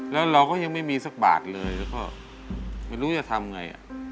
แล้วเราก็ยังไม่มีสักบาทเลยแล้วก็ไม่รู้จะทำไง